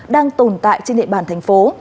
đang tồn tại trên địa bàn thành phố